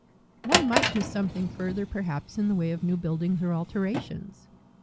One might do something further, perhaps, in the way of new buildings or alterations.